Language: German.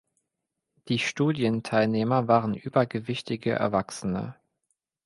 Die Studienteilnehmer waren übergewichtige Erwachsene.